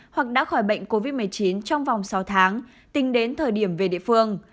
hoặc đã khỏi bệnh covid một mươi chín trong vòng sáu tháng tính đến thời điểm về địa phương